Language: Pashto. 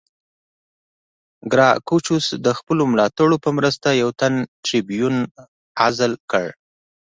ګراکچوس د خپلو ملاتړو په مرسته یو تن ټربیون عزل کړ